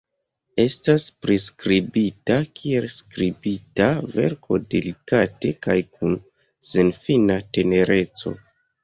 Estas priskribita kiel skribita verko delikate kaj kun senfina tenereco.